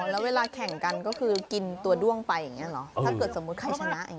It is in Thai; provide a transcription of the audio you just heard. แล้วเวลาแข่งกันก็คือกินตัวด้วงไปอย่างนี้เหรอถ้าเกิดสมมุติใครชนะอย่างนี้